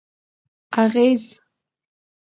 اغېز: